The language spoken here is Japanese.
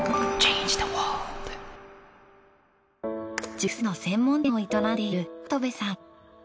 熟成肉の専門店を営んでいる跡部さん。